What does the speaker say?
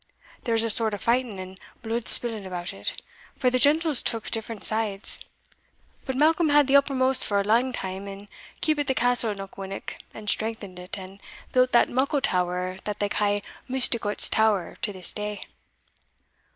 There was a sort of fighting and blude spilling about it, for the gentles took different sides; but Malcolm had the uppermost for a lang time, and keepit the Castle of Knockwinnock, and strengthened it, and built that muckle tower that they ca' Misticot's tower to this day."